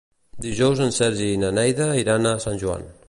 Dijous en Sergi i na Neida iran a Sant Joan.